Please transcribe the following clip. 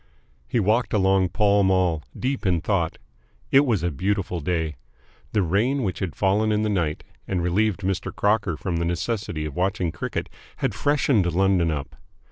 He walked along Pall Mall, deep in thought. It was a beautiful day. The rain which had fallen in the night and relieved Mr. Crocker from the necessity of watching cricket had freshened London up.